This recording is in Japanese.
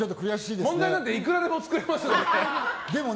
問題なんていくらでも作れますので。